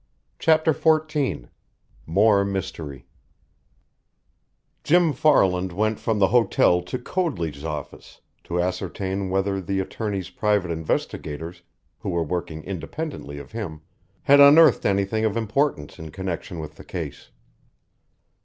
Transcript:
CHAPTER XIV MORE MYSTERY Jim Farland went from the hotel to Coadley's office, to ascertain whether the attorney's private investigators, who were working independently of him, had unearthed anything of importance in connection with the case.